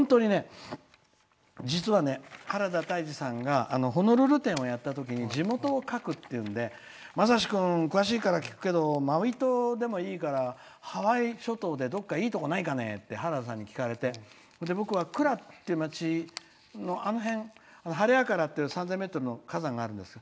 本当に、原田泰治さんがホノルル展をやったときに地元を描くって言うんでまさし君詳しいから聞くけどマウイ島でもいいからハワイ諸島でいいところないかね？って聞かれて、僕はクラって町のあの辺３０００ｍの火山があるんです。